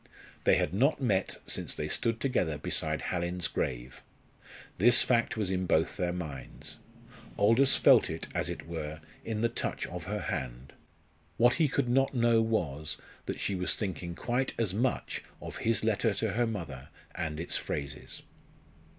They had not met since they stood together beside Hallin's grave. This fact was in both their minds. Aldous felt it, as it were, in the touch of her hand. What he could not know was, that she was thinking quite as much of his letter to her mother and its phrases.